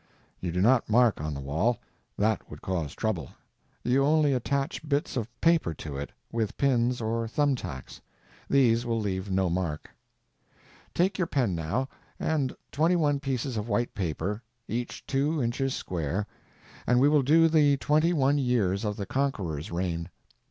You do not mark on the wall; that would cause trouble. You only attach bits of paper to it with pins or thumb tacks. These will leave no mark. Take your pen now, and twenty one pieces of white paper, each two inches square, and we will do the twenty one years of the Conqueror's reign.